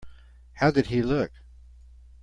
How did he look?